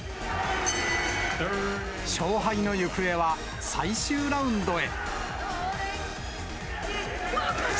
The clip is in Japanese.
勝敗の行方は最終ラウンドへ。